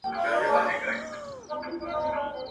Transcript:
تکړه ځوان ورمخکي سو